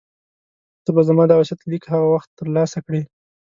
ته به زما دا وصیت لیک هغه وخت ترلاسه کړې.